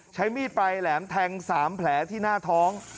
ใช้มีดปลายแหลมแทง๓แผลที่หน้าท้อง